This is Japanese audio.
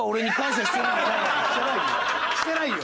してないよ。